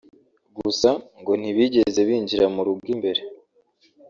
gusa ngo ntibigeze binjira mu rugo imbere